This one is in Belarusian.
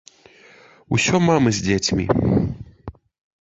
Усё мамы з дзецьмі.